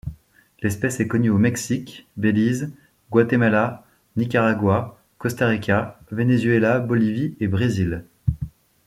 L'espèce est connue au Mexique, Belize, Guatemala, Nicaragua, Costa Rica, Venezuela, Bolivie et Brésil.